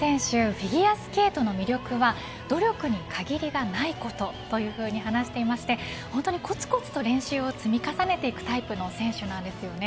フィギュアスケートの魅力は努力に限りがないことというふうに話していまして本当にこつこつと練習を積み重ねていくタイプの選手なんですよね。